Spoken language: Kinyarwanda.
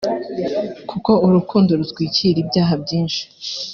kuko urukundo rutwikira ibyaha byinshi…”